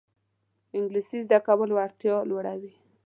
انګلیسي زده کول وړتیا لوړوي